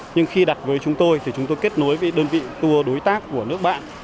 nhưng khi đặt với chúng tôi thì chúng tôi kết nối với đơn vị tour đối tác của nước bạn